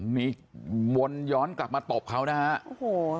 นี่วนย้อนกลับมาตบเขานะฮะโอ้โห